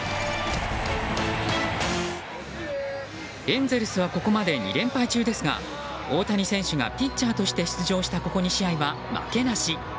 エンゼルスはここまで２連敗中ですが大谷選手がピッチャーとして出場したここ２試合は負けなし。